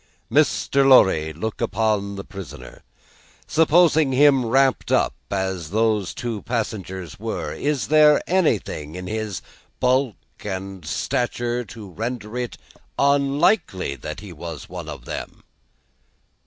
"Mr. Lorry, look again upon the prisoner. Supposing him wrapped up as those two passengers were, is there anything in his bulk and stature to render it unlikely that he was one of them?"